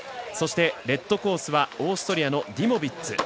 そしてレッドコースはオーストリアのデュモビッツ。